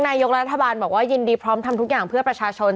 นายกรัฐบาลบอกว่ายินดีพร้อมทำทุกอย่างเพื่อประชาชน